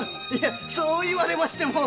そう言われましても。